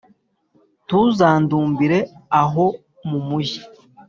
ntuzandumbire, aho mumujyi